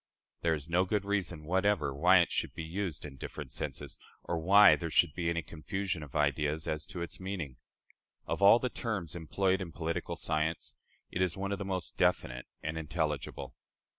There is no good reason whatever why it should be used in different senses, or why there should be any confusion of ideas as to its meaning. Of all the terms employed in political science, it is one of the most definite and intelligible.